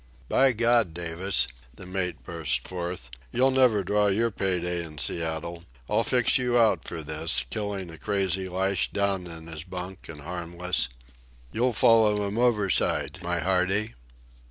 "By God, Davis!" the mate burst forth. "You'll never draw your pay day in Seattle. I'll fix you out for this, killing a crazy lashed down in his bunk an' harmless. You'll follow 'm overside, my hearty."